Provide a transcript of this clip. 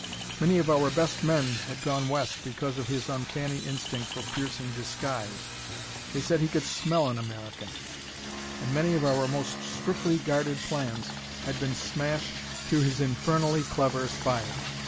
Many of our best men had gone west because of his uncanny instinct for piercing disguise. They said he could smell an American. And many of our most strictly guarded plans had been smashed through his infernally clever spying.